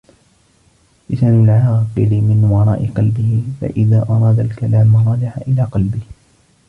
لِسَانُ الْعَاقِلِ مِنْ وَرَاءِ قَلْبِهِ فَإِذَا أَرَادَ الْكَلَامَ رَجَعَ إلَى قَلْبِهِ